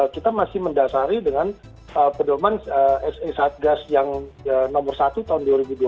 kita masih mendasari dengan pedoman se satgas yang nomor satu tahun dua ribu dua puluh